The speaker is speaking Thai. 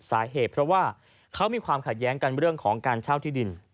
สาเหตุเพราะว่าเขามีความขัดแย้งกันเรื่องของการเช่าที่ดิน